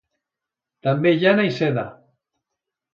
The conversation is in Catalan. També llana i seda.